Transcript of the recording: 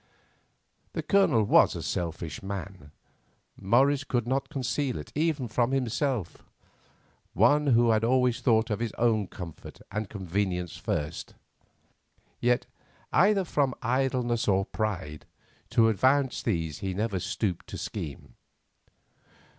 The Colonel was a selfish man—Morris could not conceal it, even from himself—one who had always thought of his own comfort and convenience first. Yet, either from idleness or pride, to advance these he had never stooped to scheme.